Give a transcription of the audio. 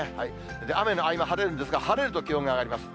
雨の合間、晴れるんですが、晴れると気温が上がります。